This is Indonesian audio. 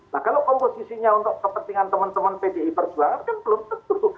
nah kalau komposisinya untuk kepentingan teman teman pdi perjuangan kan belum tentu